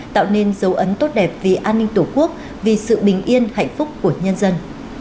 tạo nên dấu ấn tốt đẹp vì an ninh tổ quốc vì sự bình yên hạnh phúc của nhân dân